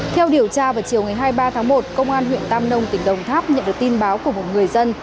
theo điều tra vào chiều ngày hai mươi ba tháng một công an huyện tam nông tỉnh đồng tháp nhận được tin báo của một người dân